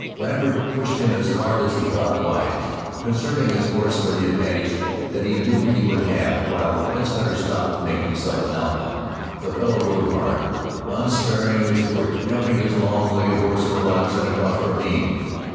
Lambert pushed him as hard as he thought wise, conserving his horse for the advantage that he knew he would have while the fence cutter stopped to make himself an outlet. The fellow rode hard, unsparing of his quirt, jumping his long legged horse over rocks and across ravines.